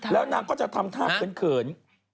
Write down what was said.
แล้วนางก็จะทำภาพเป็นเขิน